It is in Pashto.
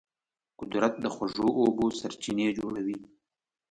قدرت د خوږو اوبو سرچینې جوړوي.